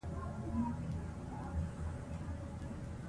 د مېلو پر مهال ښوونیزو بنسټونو ته هم پام کېږي.